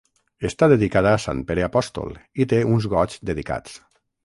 Està dedicada a sant Pere apòstol i té uns goigs dedicats.